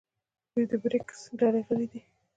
دوی د بریکس ډلې غړي دي.